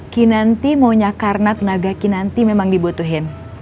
kinanti maunya karena tenaga kinanti memang dibutuhin